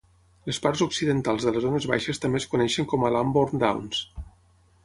Les parts occidentals de les zones baixes també es coneixen com a Lambourn Downs.